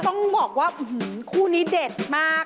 ต้องบอกว่าคู่นี้เด็ดมาก